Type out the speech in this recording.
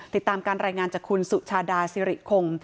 ติดตามการรายงานจากคุณสุชาดาสิริคง